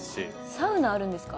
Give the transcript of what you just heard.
サウナあるんですか？